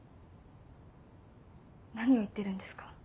何を言ってるんですか？